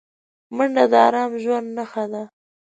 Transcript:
منډه د ارام ژوند نښه ده